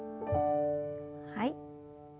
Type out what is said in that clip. はい。